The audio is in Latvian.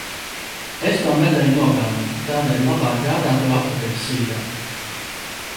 Es to medaļu nopelnīju, tādēļ labāk gādā to atpakaļ, sīkā!